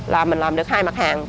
là mình làm được hai mặt hàng